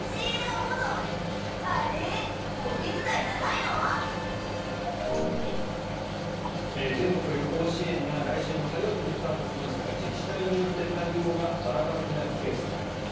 ただ、頑張って工夫すると全国旅行支援が来週の火曜日にスタートしますが自治体によって対応がバラバラになるケースがあります。